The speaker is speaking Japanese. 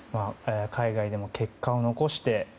海外でも結果を残して。